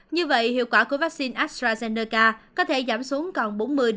như vậy hiệu quả của vaccine astrazeneca có thể giảm xuống còn bốn mươi năm mươi